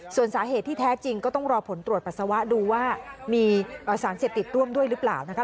ส่วนสาเหตุที่แท้จริงก็ต้องรอผลตรวจปัสสาวะดูว่ามีสารเสพติดร่วมด้วยหรือเปล่านะคะ